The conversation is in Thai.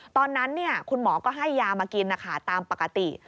ตอนนั้นคุณหมอก็ให้ยามากินนะคะตามปกติ